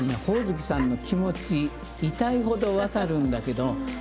ホオズキさんの気持ち痛いほど分かるんだけど。